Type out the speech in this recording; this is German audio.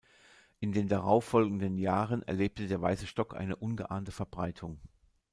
In den darauf folgenden Jahren erlebte der weiße Stock eine ungeahnte Verbreitung.